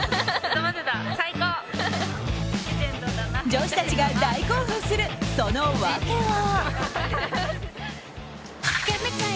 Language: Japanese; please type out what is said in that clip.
女子たちが大興奮するその訳は。